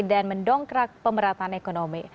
dan mendongkrak pemeratan ekonomi